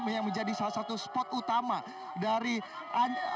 yang menjadi salah satu spot utama dari